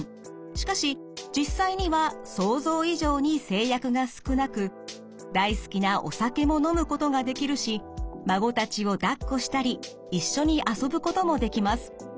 しかし実際には想像以上に制約が少なく大好きなお酒も飲むことができるし孫たちをだっこしたり一緒に遊ぶこともできます。